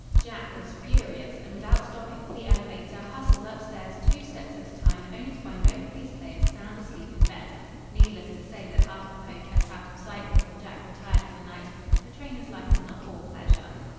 Jack was furious, and without stopping for the elevator hustled upstairs two steps at a time only to find both of these players sound asleep in bed. Needless to say that Arthur Poe kept out of sight until Jack retired for the night. A trainer's life is not all pleasure.